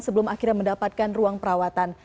sebelum akhirnya mendapatkan ruang perawatan